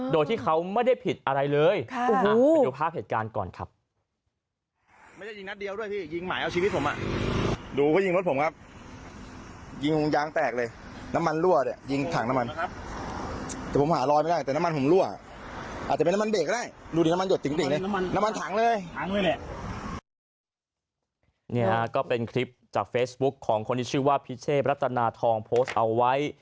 โดยที่เขาไม่ได้ผิดอะไรเลย